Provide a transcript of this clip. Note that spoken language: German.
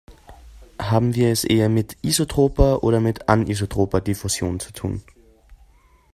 Haben wir es eher mit isotroper oder mit anisotroper Diffusion zu tun?